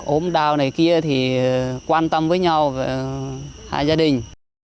ốm đau này kia thì quan tâm với nhau hai gia đình